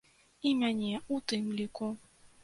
І мяне ў тым ліку.